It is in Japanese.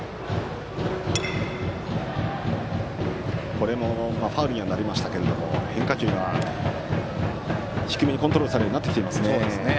これもファウルにはなりましたが変化球が低めにコントロールされるようになってきていますね。